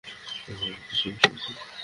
আমার ব্যক্তিগত সমস্যা আছে।